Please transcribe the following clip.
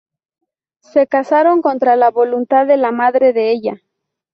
Se casaron contra la voluntad de la madre de ella.